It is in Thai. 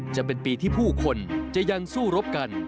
จะเป็นปีที่ผู้คนจะยังสู้รบกัน